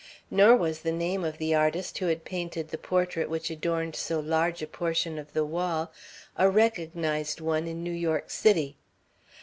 Nor was the name of the artist who had painted the portrait which adorned so large a portion of the wall a recognized one in New York City.